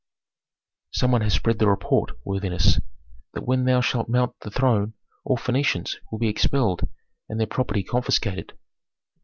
"Some one has spread the report, worthiness, that when thou shalt mount the throne all Phœnicians will be expelled and their property confiscated."